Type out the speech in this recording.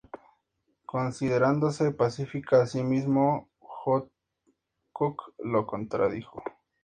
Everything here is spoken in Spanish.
Considerándose pacifista a sí mismo, Woodcock lo contradijo.